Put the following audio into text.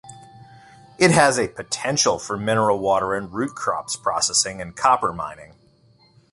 It has a potential for mineral water and root crops processing and copper mining.